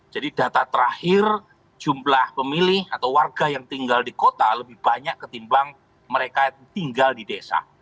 jadi data terakhir jumlah pemilih atau warga yang tinggal di kota lebih banyak ketimbang mereka tinggal di negara